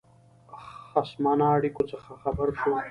خصمانه اړېکو څخه خبر شو.